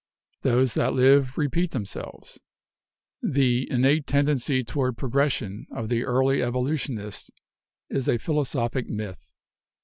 Those that live repeat themselves. The 'innate tendency toward progression' of the early evolutionists is a philosophic myth.